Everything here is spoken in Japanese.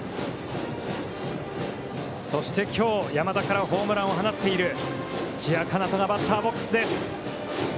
そしてきょう、山田からホームランを放っている土屋奏人がバッターボックスです。